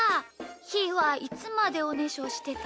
ひーはいつまでおねしょしてた？